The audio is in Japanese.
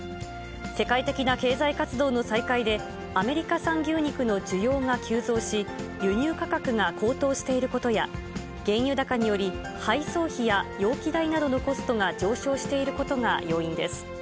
世界的な経済活動の再開で、アメリカ産牛肉の需要が急増し、輸入価格が高騰していることや、原油高により、配送費や容器代などのコストが上昇していることが要因です。